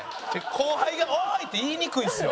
後輩が「おい！」って言いにくいですよ